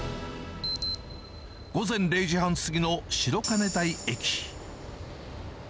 午前０時半過ぎの白金台駅。